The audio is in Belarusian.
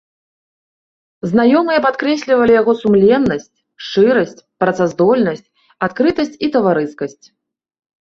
Знаёмыя падкрэслівалі яго сумленнасць, шчырасць, працаздольнасць, адкрытасць і таварыскасць.